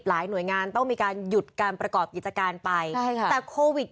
หน่วยงานต้องมีการหยุดการประกอบกิจการไปใช่ค่ะแต่โควิด